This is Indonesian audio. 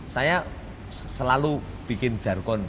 saya selalu bikin jargon